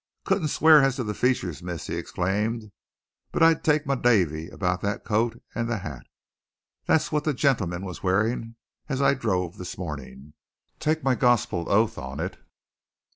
"Couldn't swear as to the features, miss," he exclaimed. "But I'd take my 'davy about the coat and the hat! That's what the gentleman was wearing as I drove this morning take my Gospel oath on it."